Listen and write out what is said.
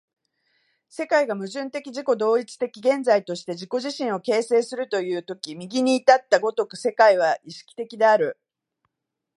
世界が矛盾的自己同一的現在として自己自身を形成するという時右にいった如く世界は意識的である。